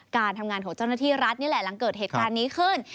การทำงานของเจ้าหน้าที่รัฐนี่แหละหลังเกิดเหตุการณ์นี้ขึ้น